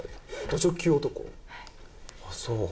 あっ、そう？